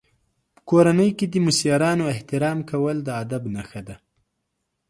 په کورنۍ کې د مشرانو احترام کول د ادب نښه ده.